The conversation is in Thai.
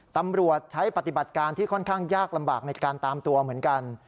ตำรวจใช้ปฏิบัติการที่ค่อนข้างยากลำบากในการตามตัวเหมือนกัน